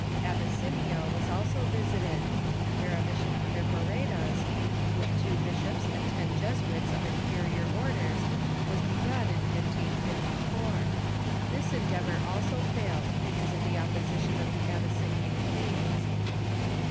Abyssinia was also visited, where a mission under Barretas, with two bishops and ten Jesuits of inferior orders, was be gun in 1554. This endeavor also failed, because of the oppo sition of the Abyssinian kings.